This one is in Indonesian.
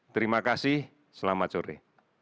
terima kasih selamat sore